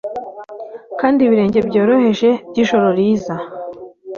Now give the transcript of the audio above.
kandi ibirenge byoroheje byijoro riza